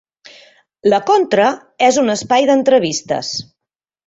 La Contra és un espai d'entrevistes.